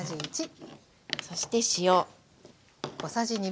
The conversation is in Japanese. そして塩。